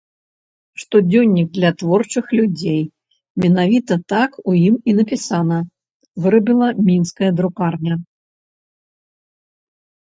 Штодзённік для творчых людзей, менавіта так у ім і напісана, вырабіла мінская друкарня.